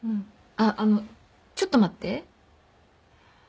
あっあのちょっと待って。